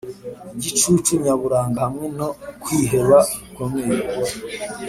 igicucu nyaburanga hamwe no kwiheba gukomeye;